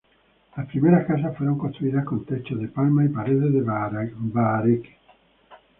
Las primeras casas fueron construidas con techos de palmas y paredes de bahareque.